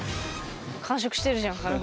完食してるじゃん金子君。